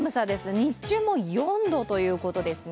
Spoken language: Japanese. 日中も４度ということですね。